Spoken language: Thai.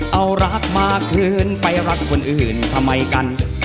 เอารักมาคืนไปรักคนอื่นทำไมกัน